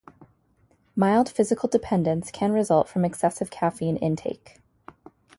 Mild physical dependence can result from excessive caffeine intake.